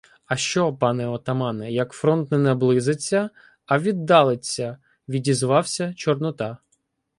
— А що, пане отамане, як фронт не наблизиться, а віддалиться? — відізвався Чорнота.